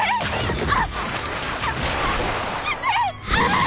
ああ！